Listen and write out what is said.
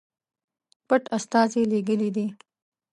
پټ استازي لېږلي دي.